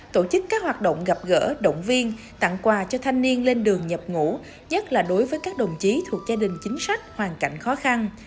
tổ chức các hoạt động gặp gỡ động viên tặng quà cho thanh niên lên đường nhập ngũ nhất là đối với các đồng chí thuộc gia đình chính sách hoàn cảnh khó khăn